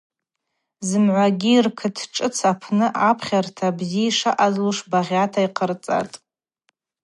Зымгӏвагьи ркытшӏыц апны апхьарта бзи шаъазлуш багъьата йхъарцӏатӏ.